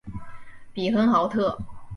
比亨豪特。